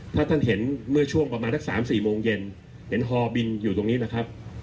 ถ้าท่านเห็นเมื่อช่วงประมาณสัก๓๔โมงเย็นเห็นฮอบินอยู่ตรงนี้นะครับ